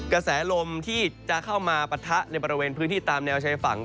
กระแสลมที่จะเข้ามาปะทะในบริเวณพื้นที่ตามแนวชายฝั่ง